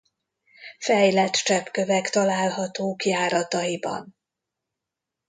Fejlett cseppkövek találhatók járataiban.